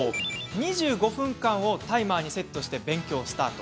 ２５分間をタイマーにセットして勉強スタート。